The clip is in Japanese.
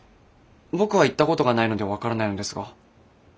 僕は行ったことがないので分からないのですが。